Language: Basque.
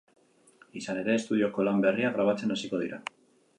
Izan ere, estudioko lan berria grabatzen hasiko dira.